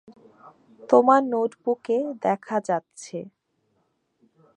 তোমার নোটবুকে দেখা যাচ্ছে।